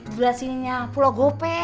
belah sininya pulau gope